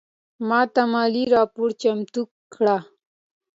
ماته مالي راپور چمتو کړه